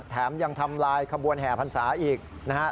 แถมยังทำลายขบวนแห่พรรษาอีกนะครับ